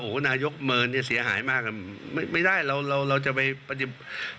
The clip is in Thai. โอ้โหนายกเมินเนี่ยเสียหายมากครับไม่ได้เราเราเราจะไปปฏิบัติ